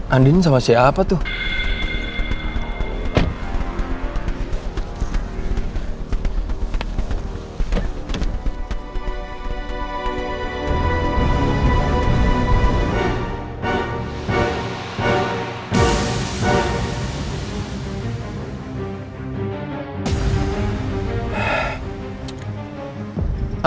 andin sama siapa tuh